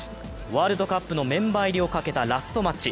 ワールドカップのメンバー入りをかけたラストマッチ。